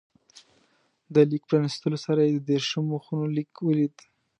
د لیک پرانستلو سره یې د دېرشو مخونو لیک ولید.